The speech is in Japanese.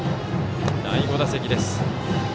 第５打席です。